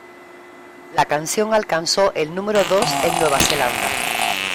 La canción alcanzó el número dos en Nueva Zelanda.